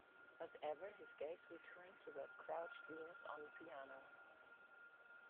But ever his gaze returned to that Crouched Venus on the piano.